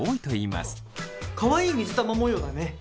かわいい水玉模様だね。